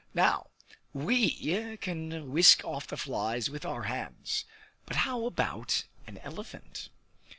Now, we can whisk off the flies with our hands, but how about an elephant?